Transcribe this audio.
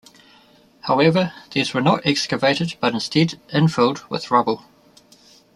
However, these were not excavated but instead infilled with rubble.